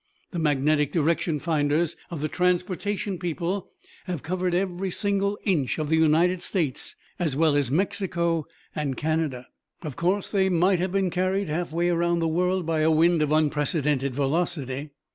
The magnetic direction finders of the transportation people have covered every inch of the United States, as well as Mexico and Canada." "Of course they might have been carried halfway around the world by a wind of unprecedented velocity."